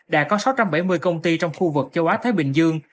đã có sáu trăm bảy mươi công ty trong khu vực châu á thái bình dương